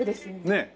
ねえ。